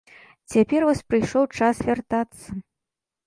Цяпер вось прыйшоў час вяртацца.